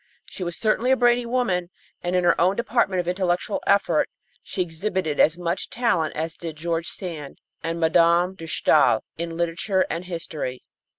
She was certainly a brainy woman, and in her own department of intellectual effort she exhibited as much talent as did George Sand and Mme. de Staël in literature and history.